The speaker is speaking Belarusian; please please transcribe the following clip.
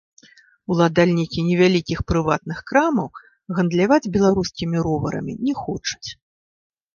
Уладальнікі невялікіх прыватных крамаў гандляваць беларускімі роварамі не хочуць.